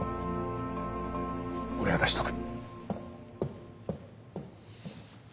俺が出しとく。